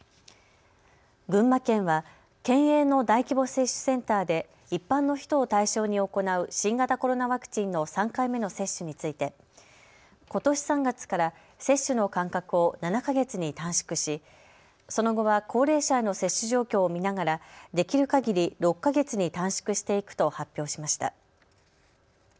群馬県は県営の大規模接種センターで一般の人を対象に行う新型コロナワクチンの３回目の接種についてことし３月から接種の間隔を７か月に短縮しその後は高齢者への接種状況を見ながらできるかぎり６か月に短縮していくと発表しました。